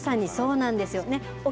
まさにそうなんですよね。